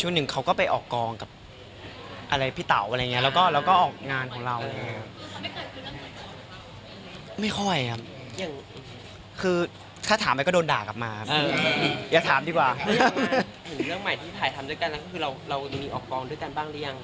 ถึงเรื่องใหม่ที่ถ่ายทำด้วยกันนั้นก็คือเรามีออกกองด้วยกันบ้างหรือยัง